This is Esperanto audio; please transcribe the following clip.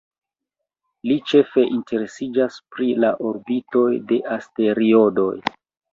Li ĉefe interesiĝas pri la orbitoj de la asteroidoj.